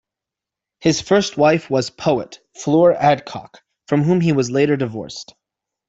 His first wife was poet, Fleur Adcock, from whom he was later divorced.